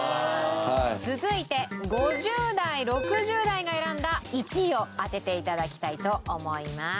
続いて５０代６０代が選んだ１位を当てて頂きたいと思います。